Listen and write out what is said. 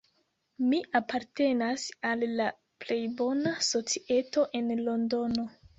Mi apartenas al la plej bona societo en Londono.